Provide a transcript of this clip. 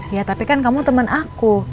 ya tapi kan kamu temen aku